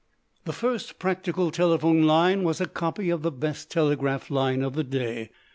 The first practical telephone line was a copy of the best telegraph line of the day.